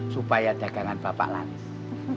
supaya ada ganggan bapak laris